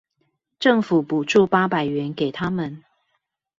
政府補助八百元給他們